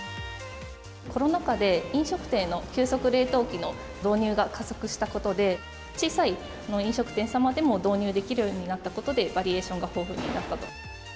コロナ禍で、飲食店の急速冷凍機の導入が加速したことで、小さい飲食店様でも導入できるようになったことで、バリエーションが豊富になったと。